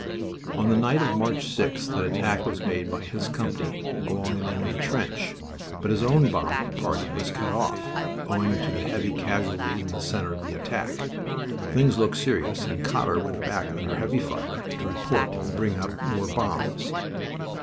On the night of March 6th an attack was made by his company along an enemy trench, but his own bombing party was cut off, owing to heavy casualties in the center of the attack. Things looked serious and Cotter went back under heavy fire to report and bring up more bombs.